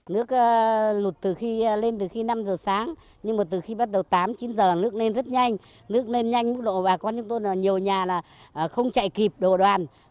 nước lụt lên từ khi năm giờ sáng nhưng từ khi bắt đầu tám chín giờ nước lên rất nhanh nước lên nhanh mức độ bà con chúng tôi là nhiều nhà không chạy kịp đồ đoàn